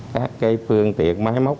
các phương tiện máy móc